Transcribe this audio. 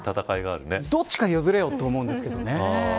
どっちか譲れよと思うんですけどね。